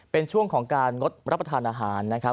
เป็นช่วงของการงดรับประทานอาหารนะครับ